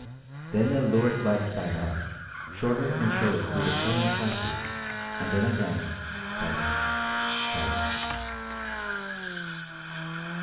Then the lurid lights died out, shorter and shorter grew the sullen flashes, and then again fell silence!